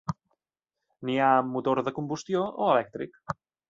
N'hi ha amb motor de combustió o elèctric.